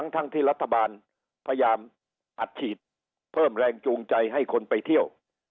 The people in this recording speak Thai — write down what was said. ทั้งที่รัฐบาลพยายามอัดฉีดเพิ่มแรงจูงใจให้คนไปเที่ยว